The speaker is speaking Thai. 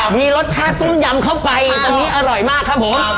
มีรสชาติต้มยำเข้าไปตอนนี้อร่อยมากครับผม